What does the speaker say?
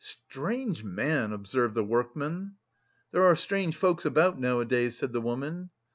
"Strange man!" observed the workman. "There are strange folks about nowadays," said the woman.